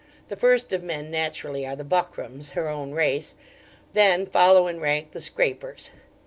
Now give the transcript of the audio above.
The first of men naturally are the Buckrams, her own race: then follow in rank the Scrapers.